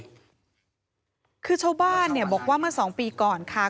คือชาวบ้านเนี่ยบอกว่าเมื่อสองปีก่อนค่ะ